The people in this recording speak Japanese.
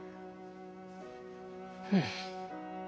うん。